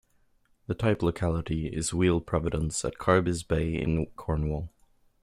The type locality is Wheal Providence at Carbis Bay in Cornwall.